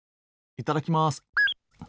いただきます。